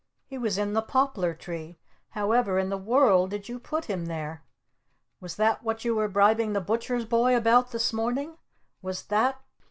He was in the Poplar Tree! However in the world did you put him there? Was that what you were bribing the Butcher's Boy about this morning? Was that